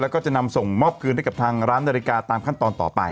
แล้วก็จะนำส่งมอบคืนให้กับทางร้านนาฬิกาตามขั้นตอนต่อไป